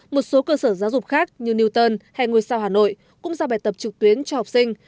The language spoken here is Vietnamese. một số cơ sở giáo dục khác như newton hay ngôi sao hà nội cũng giao bài tập trực tuyến cho học sinh